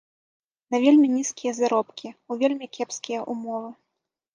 На вельмі нізкія заробкі, у вельмі кепскія ўмовы.